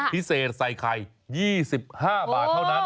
พิเศษใส่ไข่๒๕บาทเท่านั้น